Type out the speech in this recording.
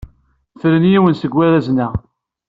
Fren yiwen seg warrazen-a.